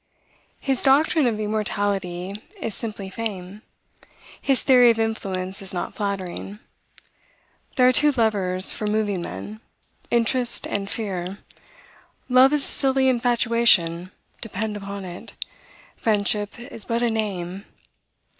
His doctrine of immortality is simply fame. His theory of influence is not flattering. "There are two levers for moving men, interest and fear. Love is a silly infatuation, depend upon it. Friendship is but a name.